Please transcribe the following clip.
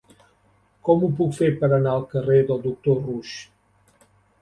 Com ho puc fer per anar al carrer del Doctor Roux?